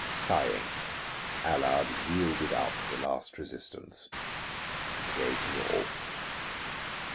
Sighing, Allard yielded up the last resistance and gave his all.